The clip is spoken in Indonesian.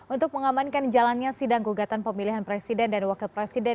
untuk mengamankan jalannya sidang gugatan pemilihan presiden dan wakil presiden